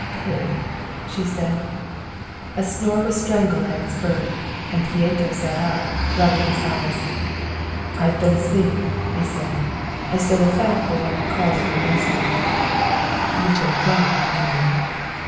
"Pig," she said. A snore was strangled at its birth, and Pieto sat up, rubbing his eyes. "I've been asleep," he said, as though the fact were one that called for amazement. "You've been drunk, you mean.